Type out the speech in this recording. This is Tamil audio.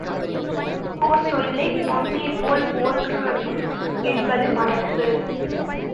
முன்னோர் சொல்லைப் பொன்னே போல் போற்றுதும் என்பது மரபு.